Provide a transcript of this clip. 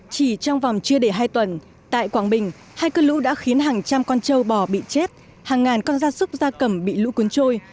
chỉ trong vòng chưa đầy hai tuần tại quảng bình hai cơn lũ đã khiến hàng trăm con trâu bò bị chết hàng ngàn con gia súc gia cầm bị lũ cuốn trôi